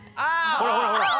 ほらほらほら。